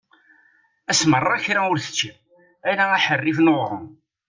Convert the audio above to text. Ass merra kra ur t-ččiɣ ala aḥerrif n uɣrum.